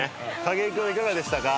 景井君はいかがでしたか？